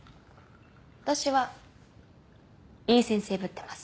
私はいい先生ぶってます。